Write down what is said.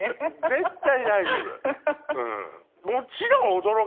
絶対大丈夫うん。